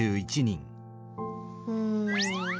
うん。